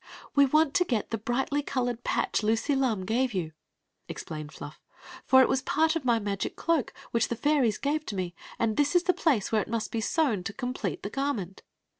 "We want to get the bright colored patch Lucy Lum gave you," explained Fluff ;" for it was part of my magic cl(»dc, which the ^iries gave to me, and this is the place where it must be sewn to complete the garment."